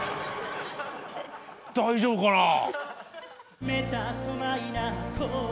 大丈夫かなぁ？